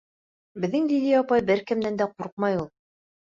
— Беҙҙең Лилиә апай бер кемдән дә ҡурҡмай ул!